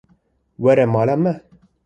Were mala me.